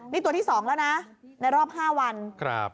นี่ตัวที่สองแล้วน่ะในรอบห้าวันครับ